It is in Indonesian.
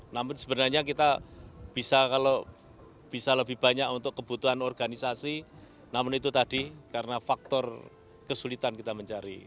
namun sebenarnya kita bisa kalau bisa lebih banyak untuk kebutuhan organisasi namun itu tadi karena faktor kesulitan kita mencari